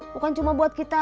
bukan cuma buat kita